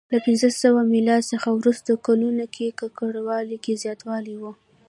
له پنځه سوه میلاد څخه وروسته کلونو کې ککړوالي کې زیاتوالی و